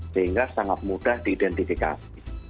sehingga sangat mudah diidentifikasi